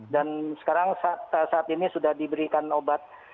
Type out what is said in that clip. dan sekarang saat ini sudah diberikan obat